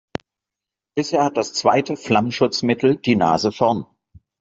Bisher hat das zweite Flammschutzmittel die Nase vorn.